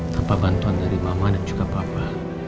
tanpa bantuan dari mama dan juga bapak